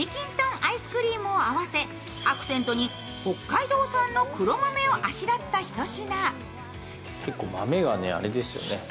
アイスクリームを合わせアクセントに北海道産の黒豆をあしらったひと品。